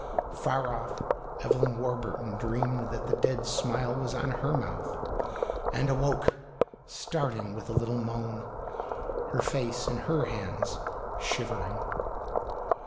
Far off, Evelyn Warburton dreamed that the dead smile was on her mouth, and awoke, starting with a little moan, her face in her hands, shivering.